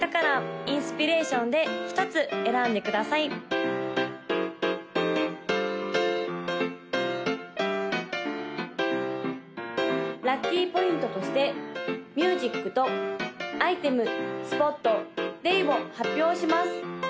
・赤色紫色黄色青色の・ラッキーポイントとしてミュージックとアイテムスポットデイを発表します！